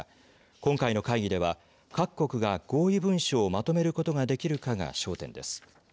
今回の会議では、各国が合意文書をまとめることができるかが焦点です。